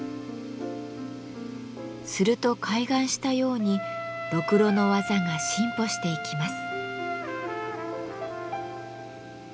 すると開眼したようにろくろの技が進歩していきます。